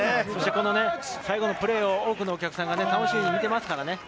最後のプレーを多くのお客さんが楽しみに見ていますからね。